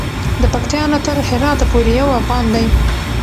د پکتیا نه تر هراته پورې یو افغان دی.